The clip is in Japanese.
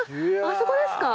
あそこですか？